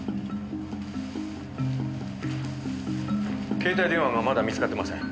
携帯電話がまだ見つかってません。